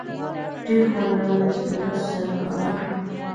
ډیر خوندور دی چې له تاسو سره کار وکړم.